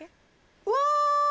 うわ！